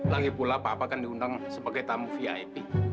lagipula papa kan diundang sebagai tamu vip